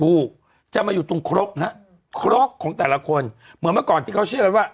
ผู้จะมาอยู่ตรงครกฮะครกของแต่ละคนเหมือนเมื่อก่อนที่เขาเชื่อกันว่า